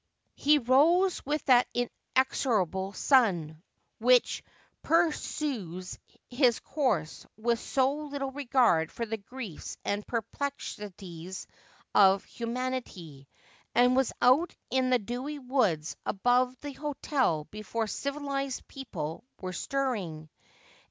He rose with that inexorable sun, which pur sues his course with so little regard for the griefs and perplexi ties of humanity, and was out in the dewy woods above the hotel before civilised people were stirring.